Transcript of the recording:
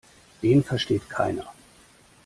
Den versteht keiner.